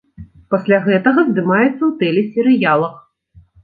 Пасля гэтага здымаецца ў тэлесерыялах.